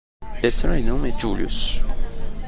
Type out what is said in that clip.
Persone di nome Julius